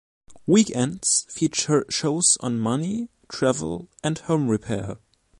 Weekends feature shows on money, travel and home repair.